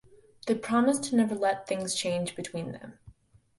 They promise to never let things change between them.